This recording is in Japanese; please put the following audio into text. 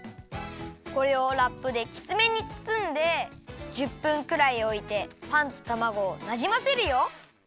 これをラップできつめにつつんで１０分くらいおいてパンとたまごをなじませるよ。